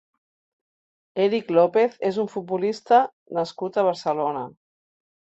Eric López és un futbolista nascut a Barcelona.